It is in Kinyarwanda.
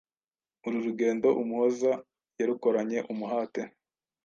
Uru rugendo Umuhoza yarukoranye umuhate.